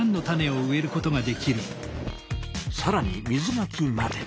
さらに水まきまで！